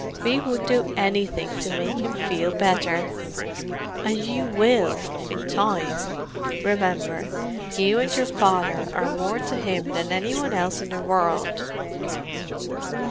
We would do anything to make him feel better." "And you will, in time. Remember, you and your father are more to him than any one else in the world.